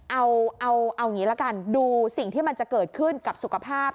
เอาอย่างนี้ละกันดูสิ่งที่มันจะเกิดขึ้นกับสุขภาพ